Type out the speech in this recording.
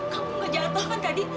kamu ngejatoh kan tadi